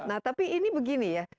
nah tapi ini begini ya